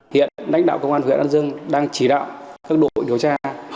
hiện lãnh đạo công an huyện an dương đang chỉ đạo các đội điều tra